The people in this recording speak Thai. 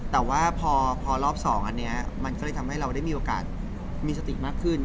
แต่ว่าพอรอบ๒อันนี้มันก็เลยทำให้เราได้มีโอกาสมีสติมากขึ้น